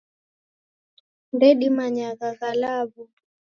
Ndedimanyagha gha law'u.